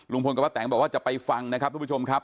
ลุงพลกับป้าแต๋นก็บอกว่าจะไปฟังนะครับท่านผู้ชมครับ